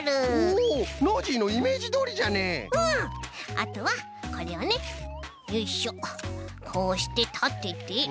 あとはこれをねよいしょこうしてたててとめます。